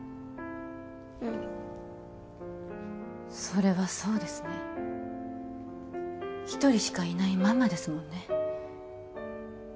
うんそれはそうですね一人しかいないママですもんね